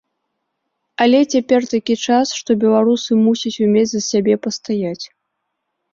Але цяпер такі час, што беларусы мусяць умець за сябе пастаяць.